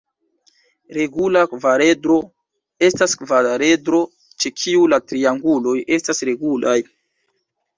Regula kvaredro estas kvaredro ĉe kiu la trianguloj estas regulaj.